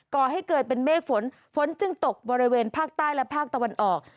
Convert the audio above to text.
ก่อให้เกิดเป็นเมฆฝนฝนจึงตกบริเวณภาคใต้และภาคตะวันออก